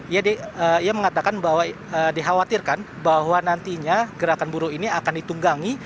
ia mengatakan bahwa dikhawatirkan bahwa nantinya gerakan buruh ini akan ditunggangi